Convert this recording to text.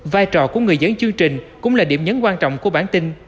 vai trò của người dẫn chương trình cũng là điểm nhấn quan trọng của bản tin